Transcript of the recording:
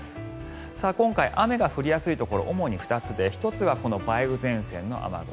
今回、雨が降りやすいところ主に２つで１つはこの梅雨前線の雨雲。